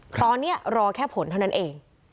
ตอนนี้รอแค่ผลเท่านั้นเอง